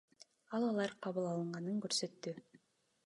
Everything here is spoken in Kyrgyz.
Ал алар кабыл алынганын көрсөттү.